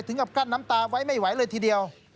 กับกั้นน้ำตาไว้ไม่ไหวเลยทีเดียว